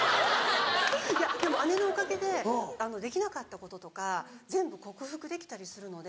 いやでも姉のおかげでできなかったこととか全部克服できたりするので。